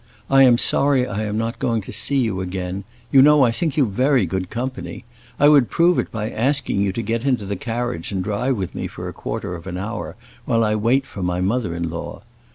I am sorry I am not going to see you again; you know I think you very good company. I would prove it by asking you to get into the carriage and drive with me for a quarter of an hour, while I wait for my mother in law.